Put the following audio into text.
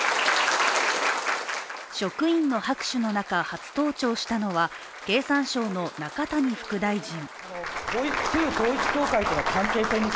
職員の拍手の中、初登庁したのは経産省の中谷副大臣。